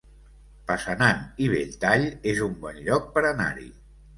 Passanant i Belltall es un bon lloc per anar-hi